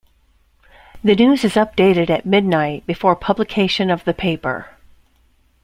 The news is updated at midnight, before publication of the paper.